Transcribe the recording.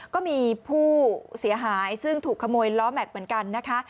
ก็มีผู้เสียหายซึ่งถูกขโมยล้อแม็กซ์เหมือนกันนะคะ